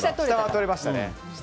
でも下は取れましたね。